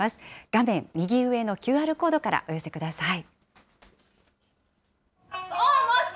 画面右上のＱＲコードからお寄せください。